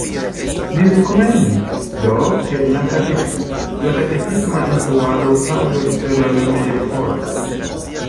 Li rekomendis, do, ke katekisma instruado okazu ekster la lernejaj horoj.